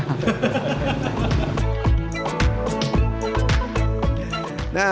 yang bikin enak itu minyaknya